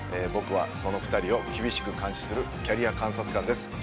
僕はその２人を厳しく監視するキャリア監察官です